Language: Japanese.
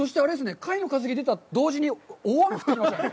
貝の化石が出たと同時に、大雨が降ってきましたね。